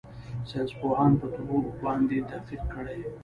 ساينسپوهانو په دو باندې تحقيق کړى.